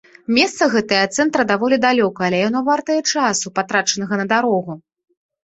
Месца гэтае ад цэнтра даволі далёка, але яно вартае часу, патрачанага на дарогу.